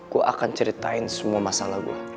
aku akan ceritain semua masalah gue